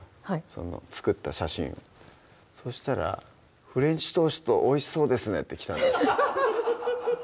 その作った写真そしたら「フレンチトーストおいしそうですね」って来たんです